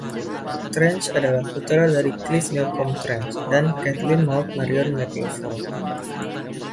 Trench adalah putra dari Clive Newcome Trench dan Kathleen Maud Marion McIvor.